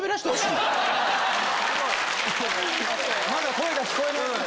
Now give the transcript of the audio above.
まだ声が聞こえない。